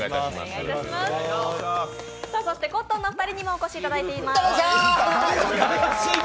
コットンのお二人にもお越しいただいています。